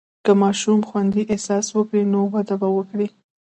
که ماشوم خوندي احساس وکړي، نو وده به وکړي.